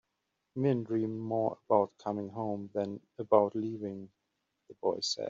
"Men dream more about coming home than about leaving," the boy said.